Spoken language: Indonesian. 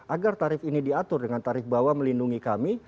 agar tarif ini diatur dengan tarif bawah melindungi kami